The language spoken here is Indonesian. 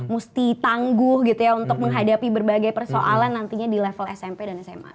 mesti tangguh gitu ya untuk menghadapi berbagai persoalan nantinya di level smp dan sma